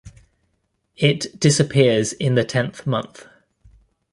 It disappears in the tenth month.